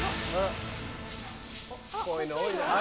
こういうの多いな。